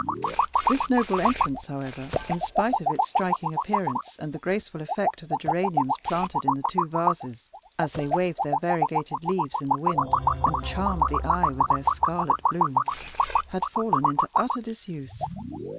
This noble entrance, however, in spite of its striking appearance and the graceful effect of the geraniums planted in the two vases, as they waved their variegated leaves in the wind and charmed the eye with their scarlet bloom, had fallen into utter disuse.